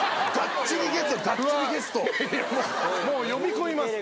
もう呼び込みます。